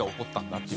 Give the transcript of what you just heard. っていう。